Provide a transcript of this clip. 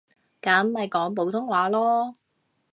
噉咪講普通話囉